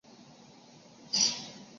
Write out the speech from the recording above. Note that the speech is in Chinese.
山城遗址的历史年代为新石器时代。